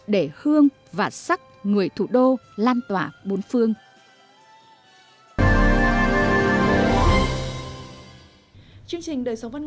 để hương và sắc người thủ đô lan tỏa bốn phương